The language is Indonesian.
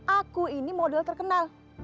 aku ini model terkenal